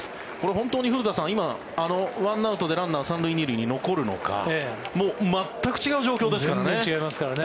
本当に古田さん、今、１アウトでランナー３塁２塁に残るのか全く違う状況ですからね。